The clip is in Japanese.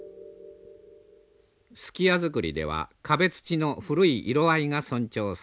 数寄屋造りでは壁土の古い色合いが尊重されます。